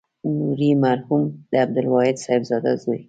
نوري مرحوم د عبدالواحد صاحبزاده زوی.